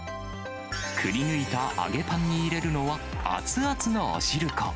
くりぬいた揚げパンに入れるのは熱々のおしるこ。